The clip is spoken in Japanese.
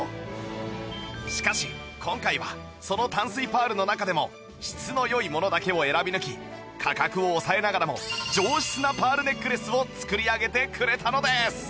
しかし今回はその淡水パールの中でも質の良いものだけを選び抜き価格を抑えながらも上質なパールネックレスを作り上げてくれたのです！